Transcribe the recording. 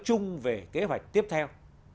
chung về kế hoạch tiếp theo